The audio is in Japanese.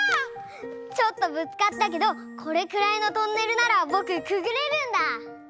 ちょっとぶつかったけどこれくらいのトンネルならぼくくぐれるんだ！